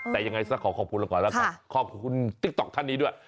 แต่ยังไงสักขอขอบคุณก่อนขอบคุณติ๊กต๊อกท่านนี้ด้วย